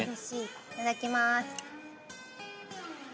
いただきます。